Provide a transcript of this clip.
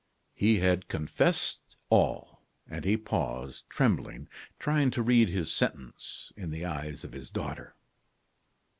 He had confessed all; and he paused, trembling, trying to read his sentence in the eyes of his daughter.